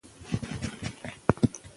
هر نظام باید ځواب ووایي